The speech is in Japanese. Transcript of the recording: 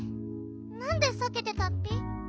なんでさけてたッピ？